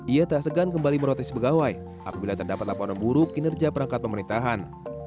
ia tak segan kembali merotes pegawai apabila terdapat laporan buruk kinerja perangkat pemerintahan